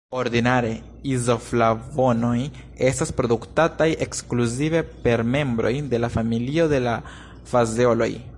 Ordinare izoflavonoj estas produktataj ekskluzive per membroj de la familio de la fazeoloj.